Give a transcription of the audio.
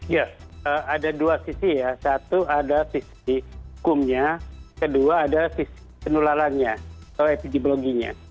ya ada dua sisi ya satu ada sisi hukumnya kedua ada sisi penularannya atau epidemiologinya